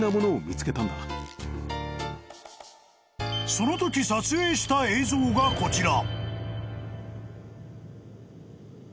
［そのとき撮影した映像がこちら］